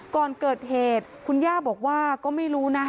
ก่อนเกิดเหตุคุณย่าบอกว่าก็ไม่รู้นะ